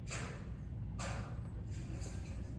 طبي پوهنځۍ بې اسنادو نه ثبت کیږي.